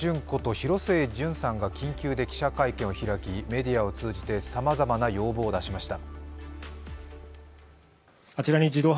広末涼子さんが緊急で記者会見を行い、メディアを通じてさまざまな要望を出しました。